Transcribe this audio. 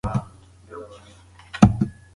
هګۍ د بدن ودې سره مرسته کوي.